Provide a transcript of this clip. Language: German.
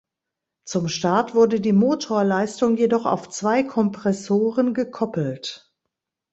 Zum Start wurde die Motorleistung jedoch auf zwei Kompressoren gekoppelt.